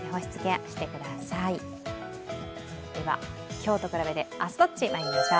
今日と比べて明日どっちまいりましょう。